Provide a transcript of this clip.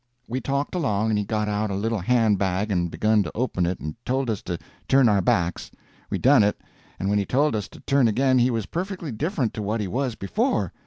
We talked along, and he got out a little hand bag and begun to open it, and told us to turn our backs. We done it, and when he told us to turn again he was perfectly different to what he was before.